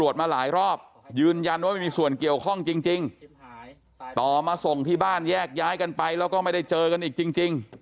ต่อมาส่งที่บ้านแยกย้ายกันไปแล้วก็ไม่ได้เจอกันอีกจริง